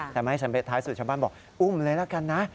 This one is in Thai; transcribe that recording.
แต่ไม่สำเร็จท้ายสุดชาวบ้านบอกอุ้มเลยละกันนะ